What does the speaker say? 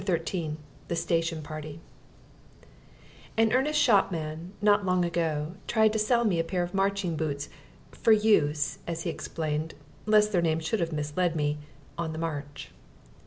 XIII THE STATION PARTY An earnest shopman not long ago tried to sell me a pair of marching boots, "for use" as he explained, lest their name should have misled me "on the march."